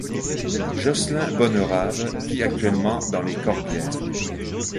Jocelyn Bonnerave vit actuellement dans les Corbières.